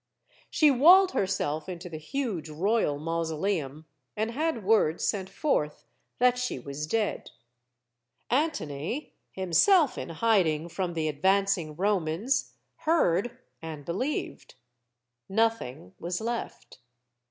She walled herself into the huge Royal Mausoleum 154 STORIES OF THE SUPER WOMEN and had word sent forth that she was dead. Antony, himself in hiding from the advancing Romans, heard and believed. Nothing was left.